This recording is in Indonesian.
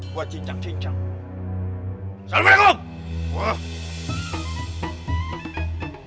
gue cincang cincang assalamualaikum